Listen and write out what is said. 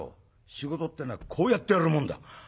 仕事ってえのはこうやってやるもんだ」。